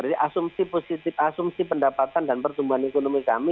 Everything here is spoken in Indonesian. dari asumsi positif asumsi pendapatan dan pertumbuhan ekonomi kami